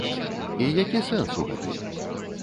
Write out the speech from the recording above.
І які сэнс у гэтым?